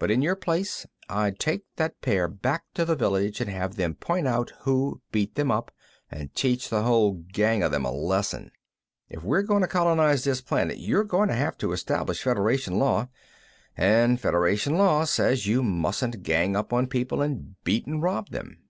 But in your place, I'd take that pair back to the village and have them point out who beat them up, and teach the whole gang of them a lesson. If you're going to colonize this planet, you're going to have to establish Federation law, and Federation law says you mustn't gang up on people and beat and rob them.